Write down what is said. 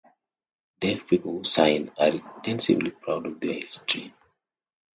Deaf people who sign are intensely proud of their history.